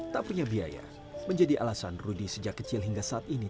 tak punya biaya menjadi alasan rudy sejak kecil hingga saat ini